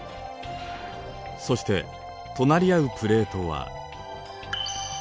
そして隣り合うプレートは。